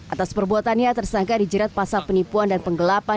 atas perbuatannya tersangka dijerat pasal penipuan dan penggelapan